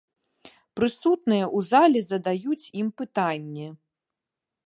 Прысутныя ў зале задаюць ім пытанні.